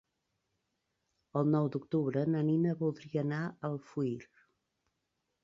El nou d'octubre na Nina voldria anar a Alfauir.